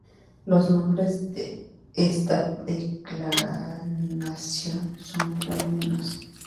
Los nombres de esta declinación son femeninos.